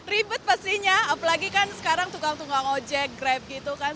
ribet pastinya apalagi kan sekarang tukang tukang ojek grab gitu kan